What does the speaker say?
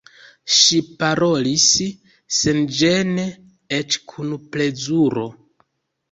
Ŝi parolis senĝene, eĉ kun plezuro.